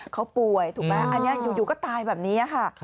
เขาป่วยถูกไหมอันนี้อยู่ก็ตายแบบนี้ค่ะ